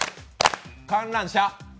観覧車。